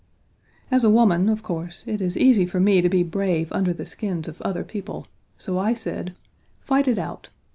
As a woman, of course, it is easy for me to be brave under the skins of other people; so I said: "Fight it out.